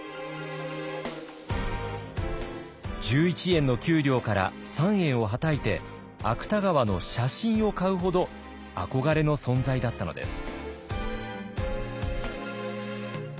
１１円の給料から３円をはたいて芥川の写真を買うほど憧れの存在だったのです。